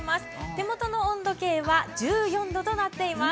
手元の温度計は１４度となっています。